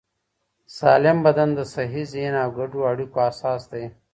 سالم بدن د صحي ذهن او ګډو اړیکو اساس دی.